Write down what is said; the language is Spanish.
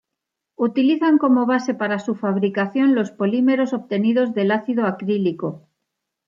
Utilizan como base para su fabricación los polímeros obtenidos del ácido acrílico.